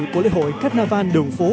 của lễ hội carnival đường phố